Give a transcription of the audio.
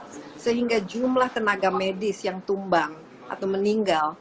sehingga jumlah tenaga medis yang tumbang atau meninggal